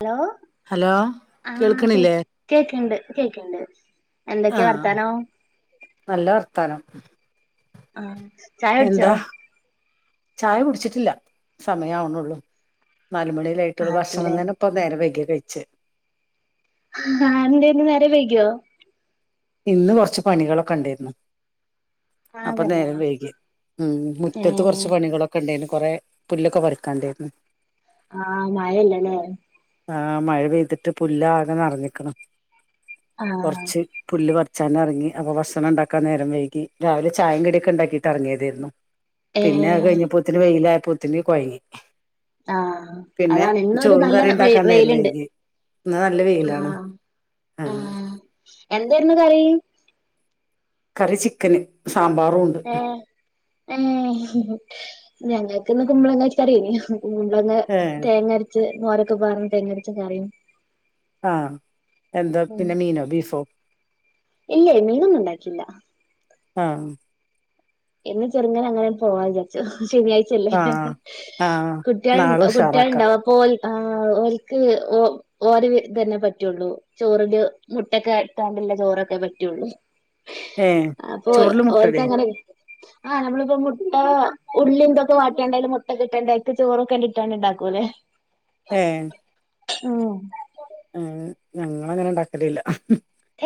Hello hello ആ കേൾക്കണില്ലേ കേക് കേക്ക്ണ്ട് കേക്കണ്ട് എന്തൊക്കെ വർത്താനം തനം ആ ചായ ഉടിച്ചോ ചായ കുടിച്ചിട്ടില്ല സമയം ആവു ണൊള്ളൂ നാല് മണി അല്ലെ ആയിട്ടുള്ളു ഭക്ഷണം ആകുലേ തന്നെ ഇപ്പൊ നേരം വെഗ്ഗ്യാ കഴി ച് ആഹ് എന്തെന്ന് നേരം വൈകിയോ ഇന്ന് കൊറച്ച് പണികളൊക്കെ ഉണ്ടേര്ന്നു ആഹ് അപ്പ നേരം തന്നെയാ വെയ്കി ഉം മുറ്റത്ത് ഏഹ് കൊറച്ച് പണികളൊക്കെ ഇണ്ടേയ്നു കൊറെ പുല്ല് ഒക്കെ പറിക്കാൻ ഇണ്ടേര്ന്നു ആഹ് മഴ ഇല്ലലേ ആ മഴ പെയ്തിട്ട് പുല്ല് ആകെ നറഞ്ഞ്ക്ക്ണ് ആഹ് ല്ല് പറിച്ചാനെറങ്ങി അപ്പ ഭക്സണം നേരം വെയ്കി രാവിലെ ചായിം കട്യെക്കെ ഇണ്ടാകീട്ട് എറങ്ങ്യതെര്ന്നു പിന്നെ അഅ് ഏഹ് കയ്ഞ്ഞപ്പോത്തിന് വെയ്ലാ പ്പൊതിന് കൊയങ്ങി ആ അതാണ് ഇന്നൊരു നല്ല കറി വെ ഉണ്ടാക്കാൻ വെയില് നേരം ഇണ്ട് വൈകി ഇന്ന് നല്ല ആ വെയിലാണ് ആ എന്തേരുന്നു കറി കറി ചിക്കന്. സാമ്പാറും ഉണ്ട്. ഏഹ് ഏഹ് ഞങ്ങക്ക് ഇന്ന് കുമ്പളങ്ങ കറി ആയിന്. കുമ്പളങ്ങ ഏ തേങ്ങ അരച് ത് മോരൊക്കെ പറഞ്ഞ് തേങ്ങ അരച്ച കറിയും. ആ എന്താ ഉം പിന്നെ മീനോ ബീഫോ? ഇല്ലേ മീനൊന്നും ഇണ്ടാക്കിയില്ല. ആ എന്ന് ചെറുങ്ങനെ അങ്ങനെ പോവാ വിചാച്ചു. ശനിയാഴ്ച്ചല്ലേ ആ ആ കുട്ടികൾ നാളെ ഉഷാറാക്കാം കുട്ടികള്ണ്ടാവപ്പാ ഓൽ ആ ഓൽക്ക് ഓ ഓര് ഇതന്നെ പറ്റുള്ളൂ ചോറില് മുട്ടൊക്കെ ഇട്ടാണ്ടുള്ള ചോറൊക്കെ പറ്റുള്ളൂ ഏ അപ്പൊ ചോറില് മുട്ടടേ ഓര്ക്കങ്ങനെ ആഹ് നമ്മളിപ്പോ മുട്ട ഉള്ളിന്തൊക്കെ വാട്ടിയണ്ടായാലും മുട്ട കിട്ടണ്ട ചോറൊക്കെണ്ടിട്ടാണ്ട് ഇണ്ടാക്കൂല്ലേ ആ ഉം ഞങ്ങളങ്ങനെ ഒണ്ടാക്കലില്ല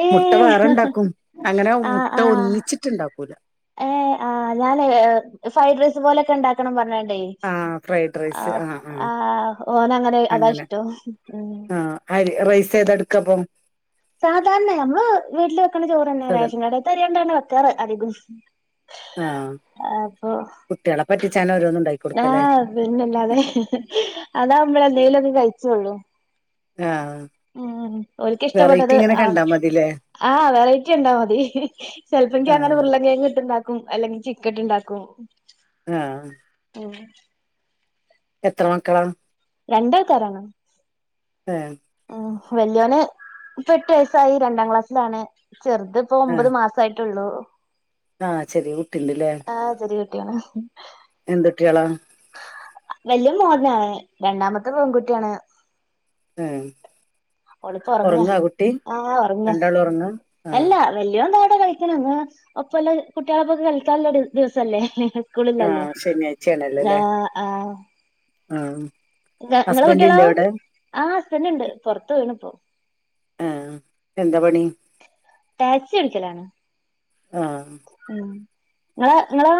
ഏയ് അങ്ങനെ ആ മുട്ട ആ ഒന്നിച്ചിട്ടുണ്ടാക്കൂല ഏഹ് ആ ഞാ ആ ഫ്രൈഡ് റൈസ് പോലൊക്കെണ്ടണം പറഞ്ഞ ണ്ടായി ആ ഫ്രൈഡ് ആ റൈസ് ആ ഓനങ്ങനെ അതാ അങ്ങനെ ഇഷ്ട്ടോ ഉം ആ അരി റൈസ് ഏതെട്ക്കപ്പം സാധാരണ ഞമ്മള് വീട്ടില് വെക്കണ ചോറ് ന്നെ സദൻ റേഷൻകടത്തെ അരിയൊണ്ടാണ് വെക്കാറ് അധികം ആ അപ്പൊ കുട്ടികളെ പറ്റിച്ചാൻ ഓരോന്ന് ഉണ്ടാക്കി കൊടുക്കല്ലേ ആഹ് പിന്നല്ലാതെ അതാ നമ്മളെന്തേലുവോക്കെ ക [unintelligible] ആ ഉം ഒരിക്ക വെറൈറ്റി ഇഷ്ടപ്പെട്ടത് ഇങ്ങനെ ആണ് കണ്ടാ മതില്ലേ ആ വെറെറ്റി കണ്ടാ മതി ചെലപ്പങ്കി ആ അങ്ങനെ ഉരുളങ്കും കിഴങ്ങ് ഇട്ട് ഉണ്ടാ ക്കും അല്ലെങ്കി ചിക്കട്ട് ണ്ടാക്കു ആഹ് - ഉം- എത്ര മക്കളാണ്- രണ്ടേക്കറാണ്- ഏ ഉം വല്യോന് ഇപ്പ എട്ട് വയസ്സായി രണ്ടാം ക്ലാസ്സിലാണ്- ചെറുത് ഇപ്പൊ ആ ഒമ്പത് മാസായി- ട്ടുള്ളൂ- ആ ചെറിയ കുട്ടിണ്ട്ല്ലേ? കുട്യാണ്- എന്തു ട്ടിയോളാ- വല്ലിയ മോനാണ് രണ്ടാമത്തെ പെൺകുട്ടിയാണ്- ഏ ഒളിപ്പ ഉറങ്ങ ഒറങ്ങാ കുട്ടി ആഹ് ഉറങ്ങ രണ്ടാളും ഒറങ്ങാ ആ എല്ലാ വല്യോണ്ട കളിക്കണ ഒപ്പല്ല കുട്ടികളക്കൊക്കെ കളിക്കാല്ലോ ദിവസല്ലേ ആ ശനിയാഴ്ച്ച ആഹ ആഹ ആഹ ഞങ്ങളെ കുട്ടികളോ ആഹ പിന്നെണ്ട് പുറത്ത്പോയ്യീൺ ഇപ്പോ ആഹ എന്താ പണി ടാക്സി ഒടിക്കലാണ് ആഹ നിങ്ങ്ളെ നിങ്ങളാ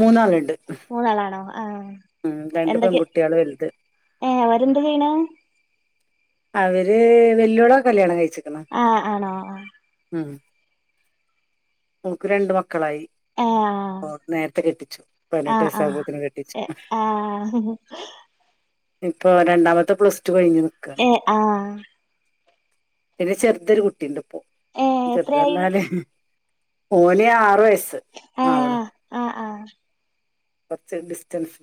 മൂന്നാളുണ്ട്. മൂന്നളാണോ? ആഹ രണ്ട് എന്തൊക്കെ പെൺകുട്ട്യാള് വലുത് ഏ അവരെന്താ ചെയ്യണെ? അവര് വെല്ലുവിള കല്യാണം കഴിച്ചു ആഹ ആണോ? ആ ഓക്ക് രണ്ട് മക്ക മക്കളായി ഏഹ് നേരത്തെ കെട്ടിച്ചു പതിനെട്ട് ആഹ് വയസ്സ ആഹ് ആഹ് ആകുമ്പോത്തിന് കെട്ടിച്ചു. ഏഹ് ആഹ് ഇപ്പൊ രണ്ടാമത്തെ പ്ലസ് റ്റു കഴിഞ് നിക്കാണ് ആഹ പിന്നെ ചെറുതൊരു കുട്ടിയണ്ട് ഏഹ് എത്രയായി ചെറുതന്നല് ഓനി ആറ് വയസ് സ് ആവണ്. ആഹ് [inaudible] പച്ച ഡിസ്റ്റൻസ്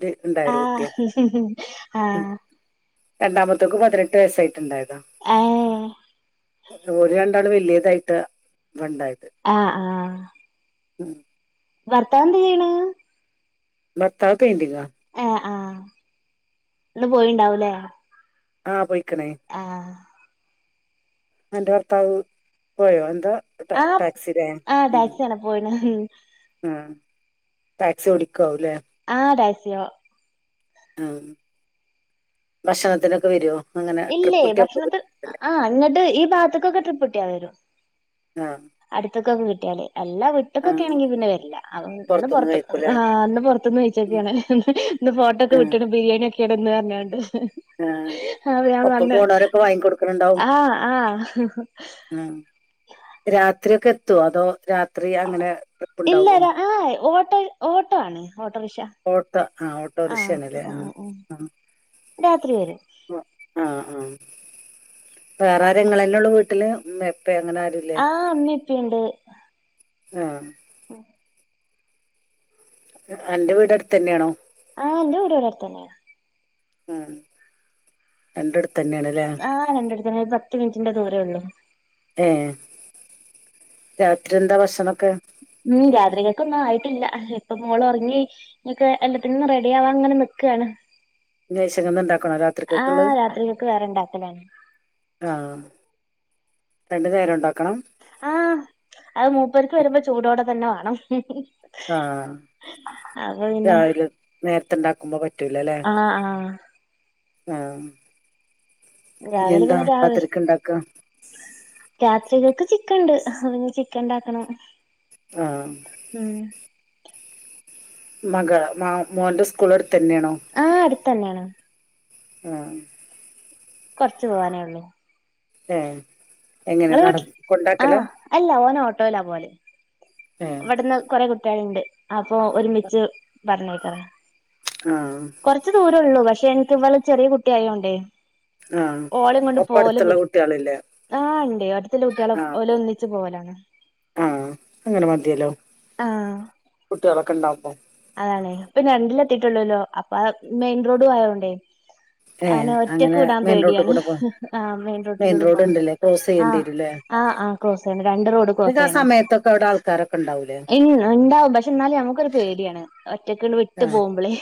ആഹ ആഹ രണ്ടാമത്തേക്ക പതിനെട്ട വയസ്സായിട്ടുണ്ടായിരുന്നു ഏഹ് [inaudible] ഓരു രണ്ടാള് വല്യായതായിട്ട് വണ്ടായി ആഹ് ആഹ് ഉം ഭർതാവ് എന്ത് ചെയ്യണ ഭർത്താവ് പെയിന്റിങാ ആ ആഹ് ഇന്ന് പോയിണ്ടാ ല്ല ആഹ് പോയി ആ അന്റെ ഭർത്താവ് പോയോ എന്താ ടാ ആ ടാക്സിലേ ആ ഉം ടാക്സിയാണ് പോയിണ് ഉം ഉം ടാക്സി ഓടി ക്കുലേ സിയ ആ ഭക്ഷണത്തിനൊക്കെ വരുവോ അങ്ങനെ ട്രിപ്പ് ഇല്ലേ കിട്ടിയപ്പോ ഭക്ഷണത്തി വരുവല്ലേ? ആ എന്നിട്ട് ഈ ഭാഗത്ത്ക്കൊക്കെ ട്രിപ്പ്കിട്ടിയ വരും ആ ഒക്കെ കിട്ടിയാലേ അല്ലാ ആ വിട്ടക്കൊക്കെ ആണെങ്കി പിന്നെ വരില്ല അന്ന് പുറത്തുന്ന് പുറത്ത് കഴിക്കൂലേ അന്ന് പുറത്തുന്ന് കഴിച്ചൊക്കെയണ് അന്ന് ഫോട്ടോ ഒക്കെ ആ വിട്ടണം ബിരിയാണി ഒക്കെ കിടന്ന് പറഞ്ഞോണ്ട് ആ ആ ഞാൻ ഒപ്പം വന്ന് പോണവരൊക്കെ വാങ്ങിക്കൊടുക്കണുണ്ടാവും ആ ആ ത്രി ഒക്കെ എത്തുവോ അതോ രാ ഇല്ലല്ല ആ ഓട്ടോ ഓട്ടോ ആണ് ഓട്ടോറിക്ഷ ഓട്ടോ ആ ആ ഓട്ടോറിക്ഷയാണല്ലേ ആ ഉം ഉം രാത്രി വരും ആ ആ വേറെ ആര് ഇങ്ങളല്ലേയുള്ളു വീട്ടില് ഉമ്മയും ഉപ്പയും അങ്ങനെ ആരൂല്ലേ പ്പയുണ്ട് ആ ഓ അന്റെ വീട് അടുത്ത് തന്നെയാണോ ആ എന്റെ വീട് ഇവിടെ അടുത്തുതന്നെയാ ഉം അന്റെട് ആ രണ്ടടുത്തം ആയി ഒരു പത്ത് മിനിറ്റിന്റെ ദൂരേ ഉള്ളു ഏ രാത്രി എന്താ ഭക്ഷണൊക്കെ ഉം രാത്രിലേക്ക് ഒന്നും ആയിട്ടില്ല ഇപ്പം മോള് ഉറങ്ങി നിക്കു എല്ലാത്തിനും റെഡി ആവാൻ ഇങ്ങനെ നിക്കവാണ് [unintelligible] ഉണ്ടാക്കണോ രാത്രിത്തെക്കുള്ളത് രാത്രികക്ക് വേറെ ഇണ്ടാക്കലാണ് ആ രണ്ടു നേരം ഇണ്ടാ ആ അത് മുപ്പർ വരുമ്പോ ചൂടോടെ തന്നെ വേണം- ആ രാവിലെ നേര- ത്ത് ഉണ്ടാക്കുമ്പോ വ ആ ആ- ആ ഇനി രാവിലെ എന്താ പിന്നെ രാവിലെ രാത്രിക്ക് ഉണ്ടാക്കുക രാത്രികൾക്ക് ചിക്ക ഉണ്ട് പിന്നെ ചി ക്കൻ ഉണ്ടാക്കണം- ആ- മക മോ മോന്റെ സ്കൂള് എടുത്ത് തന്നേണോ ത്തന്നേണ്. ആ കൊർച്ച് പോവാനേ ഉള്ളൂ. ഏഹ്. ഇങ്ങളെ വീട്ട്. ആ അല്ല ഓന് ഓ ട്ടോലാ പോവല്. ഇവട്ന്ന് കൊറെ കു ട്ടേള്ണ്ട്. അപ്പം ഒരുമിച്ച് പറഞ്ഞയക്കലാ. ആഹ് കുറച്ച് ദൂരൊള്ളൂ പക്ഷെ ഇൻക്ക് ഇവള് ചെറിയ കുട്ടിയായോണ്ടേ.. ആ ഓളേം കൊണ്ട് ഒപ്പം പോവല് അടുത്തുള്ള ബുദ്ധി കുട്ടിയേളില്ലേ. ആഹ് ഉണ്ട് അടുത്തുള്ള കുട്ടികളെ ആ ഓല് ഒന്നിച്ച് പോവലാണ് ആ അങ്ങനെ മതിയല്ലോ അ ആഹ് കുട്ടിയേളൊക്കെ ഉണ്ടാവ് മ്പം ആണേ ഇപ്പൊ രണ്ടില് എത്തീട്ടൊള്ളുല്ലോ അപ്പാ ആ മെയിൻ റോഡും ആയോണ്ടേ.. ഏഹ് അവ്നെ ഒറ്റക്ക് അങ്ങനെ വിടാൻ മെയിൻ റോഡിൽ പേടിയാണ്. കൂടെ പോ ആ മെയിൻ റോട്ടിലൂടെ റോഡ് പോണം. ഉണ്ടല്ലേ ക്രോസ് ആ ചെയ്യേണ്ടി വരൂല്ലേ ആ ആ ക്രോസ് ചെയ്യണം. രണ്ട് റോഡ് ക്രോസ് നിങ്ങക്ക് ആ ചെയ്യണം. സമയത്തൊക്കെ അവിടെ ആൾക്കാരൊക്കെ ഉണ്ടാവൂലേ [unintelligible] ഇണ്ടാവും പക്ഷെ എന്നാലും ഞമ്മക്കൊരു പേടിയാണ്.. ഒറ്റക്ക്ണ്ട് വിട്ട് പോവുമ്പളേ.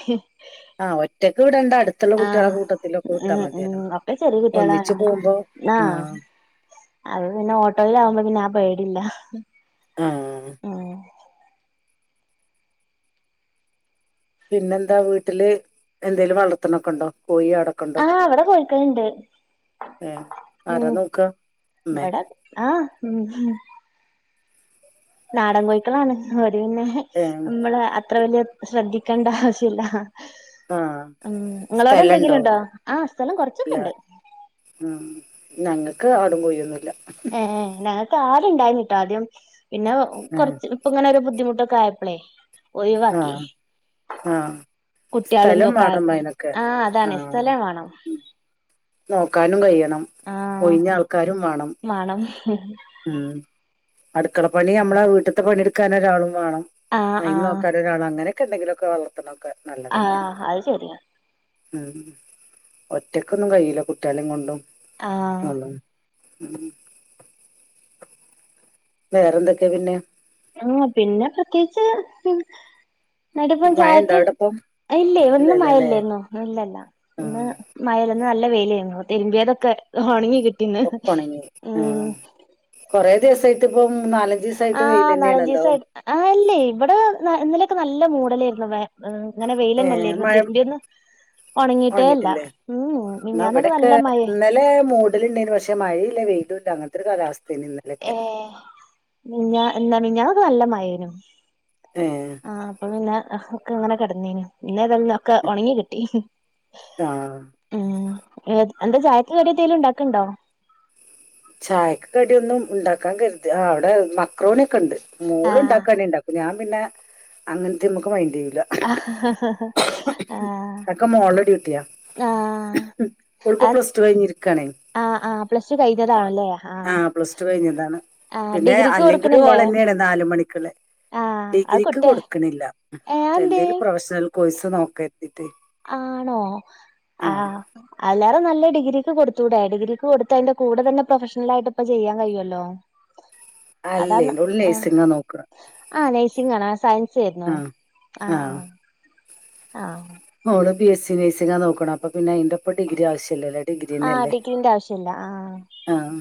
ആ ഒറ്റയ്ക്ക് വിടണ്ടാ. അടുത്തുള്ള കുട്ടികളെ ആഹ് കൂട്ടത്തിലൊക്കെ വിട്ടാ ഉം ഉം മതിയല്ലോ ഒക്കെ ചെറിയ ഒന്നിച്ച് കുട്ടികളായോണ്ട് പോകുമ്പോ ആഹ് ആ- അത് പിന്നെ ഓട്ടോയിൽ ആകുമ്പോ പിന്നെ ആ പേടില്ല ആഹ് ആ പിന്നെ എന്താ വീട്ടില് എന്തേലും വളർത്തണൊക്കെ ഉണ്ടോ കോഴി ആടൊക്കെ ഉണ്ടോ ആ അവിടെ കോഴിക്കൾ ഉണ്ട് ഏഹ് ആരാ മ് നോക്ക ഉമ്മേ ഇവിടെ ആ മ് നാടൻ കോയിക്കലാണ് പിന്നെ ഏഹ് നമ്മള്- അത്ര വലിയ ശ്രദ്ധിക്കേണ്ട ആവശ്യല്ല ആഹ് ഉം നിങ്ങളവിടെ എന്തെങ്കിലും സ്ഥലണ്ടോ ഉണ്ടോ ആ സ്ഥലം കൊറച്ചൊക്കെ ഉണ്ട് ഞങ്ങൾക്ക് ആടും, കൊഴിയൊന്നുംല്ല. എ എ ന പാലുണ്ടായി നിട്ടാ ആദ്യം. പിന്നെ കുറച്ച് ഇപ്പ ഇങ്ങനെ ഒരു ബുദ്ധിമുട്ട്. കായപ്പളേ അഹ് അഹ് കുട്ട്യാളും ഇതൊക്കെ സ്ഥലംവാണം ആയപ്പോ അയിനൊക്കെ, ആഹ് അതാണ് ആഹ സ്ഥലം വേണം നോക്കാനും കഴിയണം. ആഹ് ഓയിഞ്ഞ ആൾക്കാരും വേണം. [inaudible] മ്മ് അടുക്കളപ്പണി, നമ്മളെ വീട്ടത്തെ പണിയെടുക്കാൻ ഒരാളും. വേണം ആഹ് അയിന് ആഹ് നോക്കാൻ ഒരാള് അങ്ങനെ ക്ക് എന്തകിലൊക്കെ വളർതാനൊക്കെ അത അത് ശെരിയ. ഉം ഒറ്റക്കൊന്നും കയില്ല, കുട്ടികളെ കൊണ്ടും. ആഹ ഒന്നും [unintelligible] വേറെ എന്തൊക്കെയാ, പിന്നെ? ആ പിന്നെ പ്രത്യേകിച്ച് നടിപ്പം മഴ ഇണ്ടോ ചായത്ത് അവിടിപ്പം ഇല്ലേ ഒന്ന് ഇല്ലല്ലല്ലേ മയല്ലേന്നു ഇല്ലല്ല ഇന്ന് ആഹ് മയ നല്ല വെയിലേർന്നു തിരുമ്പിയൊതൊക്കെ ഉണങ്ങികി ഒക്കെ ഒണങ്ങി ങ്ആ കൊറേ ദിവസായിട്ട് ഇപ്പം നാലഞ്ച് ആ ദിവസായിട്ട് വെയിലന്നെയാണല്ലോ നാലഞ്ചുസായി ആ ഇല്ലേ ഇവിടെ ന ഇന്നലൊക്കെ നല്ല മൂടലായിരുന്നു വേ ഉഹ് ഏഹ് മഴ ഒണങ്ങിട്ടേ ഇല്ല ഉണങ്ങിട്ടില്ലേ ഉം എന്ന മിഞ്ഞാന്നൊക്കെ അവിടൊക്കെ നല്ല മഴേ ഇന്നലെ മൂടൽണ്ടായിരുന്നു പക്ഷെ മഴയില്ല വെയി ല്ലാ അങ്ങാത്തൊരു കാലാവസ ഏ നിങ്ങ എന്നാ പിന്ന നല്ല മഴെനു. ഏ അഹ് അപ്പൊ പിന്ന [unintelligible] അങ്ങനെ കടന്നേനൂ. പിന്നഇതല്ലക്കെ ഉണങ്ങി കിട്ടി, ആഹ് ഏഹ് ഏഹ് എന്ത ചായക് കടി എന്തെലൂ ഇണ്ടാകിനിണ്ടോ? ചായക്ക് കടിയൊന്നും ഉണ്ടാക്കാൻ കരുതി അവിടെ മക്രോണി ക്കണ്ട് മോള ആഹ് ഉണ്ടാക്കാനെ ഉണ്ടാക്കും, ഞാൻ പിന്നെ അങ്ങത്തെ നമുക്ക് വയിന്റെയു [unintelligible] ആഹ ഹഹഹ തക്കെ മോൾടെ ടി [unintelligible] യാ [unintelligible] ഓള്പ്പോ ആഹ് പ്ലസ്‌ടു കഴിഞ്ഞിരി ക്കവാണേ ആഹ് ആഹ് പ്ലസ് ടു ഓ കഴിഞ്ഞതാണല്ലേ ആ ആഹ് പ്ലസ്ടു കഴിഞ്ഞതാണ് ആഹ് പിന്നെ ഡിഗ്രിക്ക് അല്ലെങ്കിലും ഓള് കൊടുക്കണില്ലേ തന്നെയാണ് നാല് മണിക്കുള്ളെ ആഹ് അത് ഡിഗ്രിക്ക് കൊട്ത്തേ കൊടുക്കണില്ല ഏഹ് അതെന്തേ എന്തേലും പ്രൊഫഷണൽ ബസ് നോക്കെ ആണോ ആ എല്ലാരും നല്ല ഡിഗ്രി. ക്ക് കൊടുത്തൂടെ ഡിഗ്രിക്ക് കൊടുത്താൽ കൂടെ തന്നെ പ്രൊഫഷണലായിട്ട് ഇപ്പൊ ചെയ്യാൻ കഴിയുലോ. അല്ലേ അതാണ് ഓള് ആഹ് നഴ്സിംഗാ നോക്കണെ ആ നഴ്സിംഗാണ്, ആഹ് സയൻസ് ചെയ്തു ആഹ് ആഹ്. ആഹ് ഓള് ബി എസ് സി നഴ്സിംഗ് നോക്കണ് അപ്പ പിന്നെ അതിന്റെ. ഇപ്പൊ ഡിഗ്രി ആവശ്യയില്ലല്ലോ ഡിഗ്രി തന്നെ ആഹ് അല്ലെ ഡിഗ്രീന്റെ ആവശ്യല്ല ആഹ് ആഹ്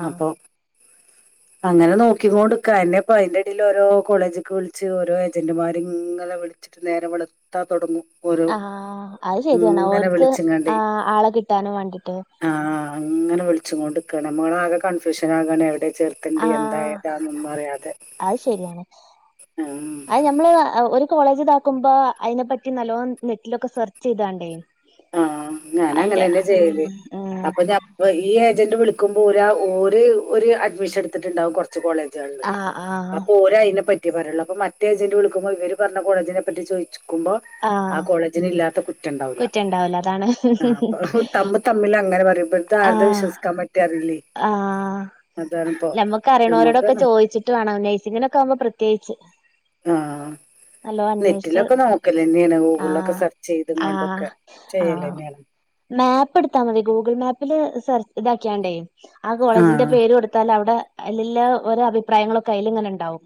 ആഹ് അപ്പൊ. അങ്ങനെ നോക്കിക്കോണ്ട് നിക്കാ എന്നെപ്പൊ അയിന്റെ അടിയിൽ ഓരോ കോളേജ്ക്ക് വിളിച്ച് ഓരോ ഏജന്റുമാരെ ഇങ്ങനെ വിളിച്ചിട്ട് നേരം വെളുത്താൽ തൊടങ്ങും. ഓരോ ആഹ് അതു ശരിയാണ് ഇങ്ങനെ ഓരുക്ക് വിളിച്ച്ങ്ങാണ്ടേ ആഹ് ആളെ കിട്ടാനും വേണ്ടിട്ട്. ച്ചെങ്ങാണ്ട് കടമകൾ ആകെ കണ്ട അഡ്മിഷൻ ആക്കനെ എവിടെ ചേർക്കേണ്ട് എന്താ ആഹ് ഏതാനൊന്നും അറിയാതെ അത് ശരിയാണ് ആഹ്. അത് ഞമ്മള് ഒരു കോളേജ് ഇതാക്കുമ്പോ അയിനെ പറ്റി നല്ലോണം നെറ്റിലൊക്കെ സെർച്ച്‌ ചെയ്താണ്ടീ. ആ ഞാൻ അങ്ങനെ തന്നെ ചെയ്യല് ഉം അപ്പൊ ഞ ഈ ഏജന്റ് വിളി ക്കുമ്പോ ഓരോ ഓര് ഒരു അഡ്മിഷൻ എടുത്തിട്ടുണ്ടാവും കൊ റീച്ച് കോളേജ് ആണ് ആഹ് ആഹ് അപ്പോ ഓര് അയിനെപ ക്കേ പറയുള്ളൂ അപ്പൊ മറ്റേ ഏജന്റ് വിളിക്കുമ്പോ ഇവര് പറഞ്ഞു കോളേജിനെ പറ്റി ചോദിച്ചു. ക്കുമ്പോ ആ ആഹ് കോളേജിനെ ഇല്ലാത്ത കു റ്റണ്ടാവൂല്ല. കുറ്റണ്ടാവൂല അതാണ് ആ അപ്പൊ തമ്മ് തമ്മിൽ അങ്ങനെ പറയുമ്പ ആഹ് ആഹ് അതാണിപ്പോ ഞമ്മക്ക് നമ്മക്ക് അറീണോരോടൊക്കെ ചോയ്ച്ചിട്ട് വേണം നൈസിങ്ങിനൊക്കെ ആവുമ്പോ പ്രത്യേകിച്ച്. ആ നല്ലോം അന്വേഷിച്ച് നെറ്റിലൊക്കെ നോക്കലെന്നേണ് ഗൂഗിളിലൊക്കെ ആഹ് ആഹ് സെർചെയ്ത്ങ്ങാണ്ടൊക്കെ ആഹ് ചെയ്യലെന്നേണ്. സെർ ഇതാക്കിയാണ്ടെ ആ കോളേജിന്റെ പേര് കൊടുത്താൽ അവടെ ഐ ള്ള ഓരോ അഭിപ്രായങ്ങളൊക്കെ ഐലൽങ്ങനെണ്ടാവും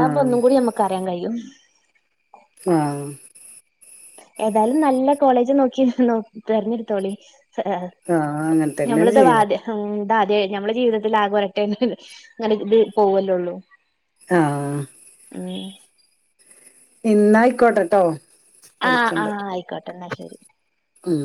ആ ഒന്നുംകൂടി നമ്മക്കറിയാൻ കഴിയും. ആഹ് ഏതായാലും നല്ല കോളേജ് നോക്കി ന്നൊ തെരഞ്ഞിട്ത്തോളി [unintelligible] ആ അങ്ങനെ തന്നെയാണ് ഞമ്മളത്തെ ചെയ്യണത് വാർട് ഹും അ അതെ നമ്മളെ ജീവിതത്തിൽ ആകൊരറ്റ ങ്ങനെ ഇത് പോവല്ലള്ളൂ ആ [inaudible] ഇന്നായിക്കോട്ടെട്ടോ ആ ആ വിളിക്കണ്ട് ആയിക്കോട്ടെ ന്നാ ശരി ഉം